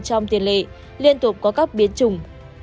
trong tiền lệ liên tục có các biến chủng